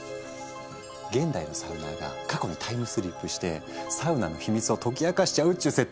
現代のサウナーが過去にタイムスリップしてサウナの秘密を解き明かしちゃうっちゅう設定で。